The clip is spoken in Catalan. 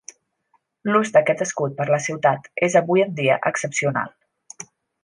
L'ús d'aquest escut per la ciutat és avui en dia excepcional.